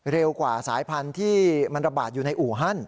เร็วกว่าสายพันธุ์ที่มันระบาดอยู่ในอู่ฮั่น